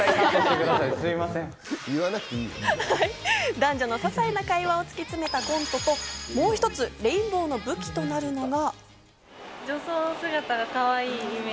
男女のささいな会話を突き詰めたコントともう一つ、レインボーの武器となるのが。